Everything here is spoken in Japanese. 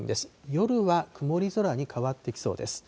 夜は曇り空に変わってきそうです。